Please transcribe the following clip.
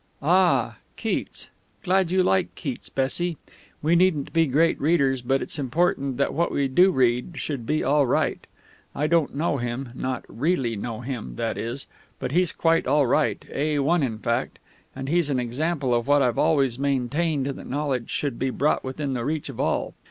"Ah, Keats! Glad you like Keats, Bessie. We needn't be great readers, but it's important that what we do read should be all right. I don't know him, not really know him, that is. But he's quite all right A1 in fact. And he's an example of what I've always maintained, that knowledge should be brought within the reach of all.